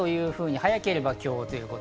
早ければ今日。